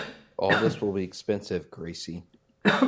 All this will be expensive, Gracie.